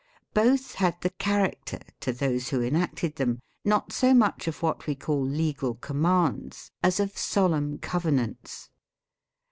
Both had the character, to those who enacted them, not so much of what we call legal commands as of Solemn Covenants.